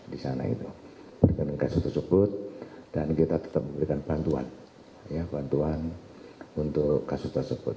di sana itu berkaitan dengan kasus tersebut dan kita tetap memberikan bantuan untuk kasus tersebut